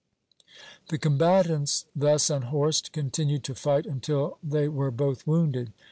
The combatants thus unhorsed continued to fight until they were both wounded.